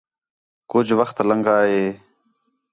کُجھ وخت لَنگھا ہے